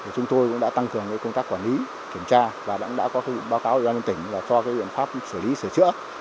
chúng tôi cũng đã tăng cường công tác quản lý kiểm tra và cũng đã có báo cáo cho dân tỉnh và cho biện pháp xử lý sửa chữa